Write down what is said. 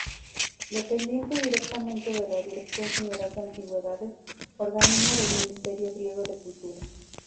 Depende directamente de la Dirección General de Antigüedades, organismo del ministerio griego de Cultura.